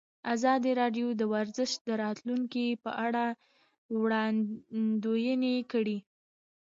ازادي راډیو د ورزش د راتلونکې په اړه وړاندوینې کړې.